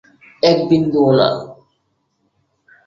এক বিন্দুও না।